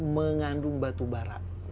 mengandung batu bara